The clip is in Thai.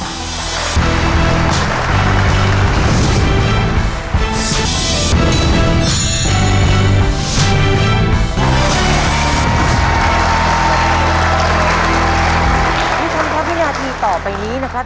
วิทยาลัยพิวาทีต่อไปนี้นะครับ